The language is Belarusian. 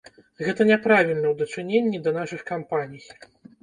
Гэта няправільна ў дачыненні да нашых кампаній.